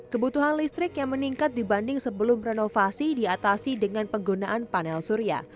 kebutuhan listrik yang meningkat dibanding sebelum renovasi diatasi dengan penggunaan panel surya